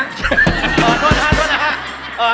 โทษนะฮะ